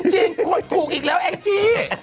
จริงกดถูกอีกแล้วเอ็งจี